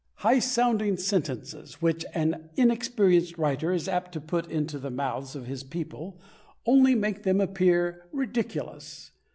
"High sounding sentences," which an inexperienced writer is apt to put into the mouths of his people, only make them appear ridiculous.